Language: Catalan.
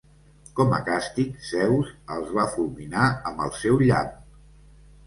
Com a càstig, Zeus els va fulminar amb el seu llamp.